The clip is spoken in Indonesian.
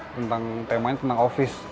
tentang temanya tentang office